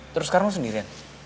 terus sekarang lu sendirian